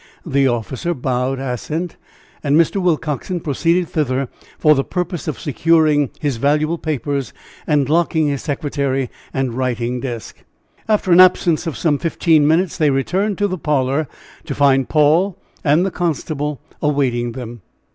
The officer bowed assent and Mr. Willcoxen proceeded thither for the purpose of securing his valuable papers and locking his secretary and writing desk. After an absence of some fifteen minutes they returned to the parlor to find Paul and the constable awaiting them.